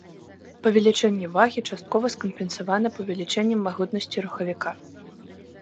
Павелічэнне вагі часткова скампенсавана павелічэннем магутнасці рухавіка.